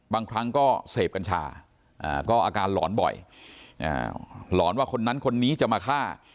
บางครั้งก็เสพกัญชาก็อาการหลอนบ่อยหลอนว่าคนนั้นคนนี้จะมาฆ่า